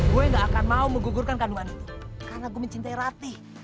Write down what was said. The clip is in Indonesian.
gue gak akan mau menggugurkan kandungan itu karena gue mencintai ratih